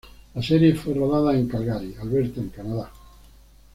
La serie fue rodada en Calgary, Alberta en Canadá.